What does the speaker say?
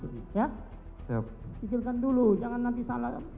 pikirkan dulu jangan nanti salah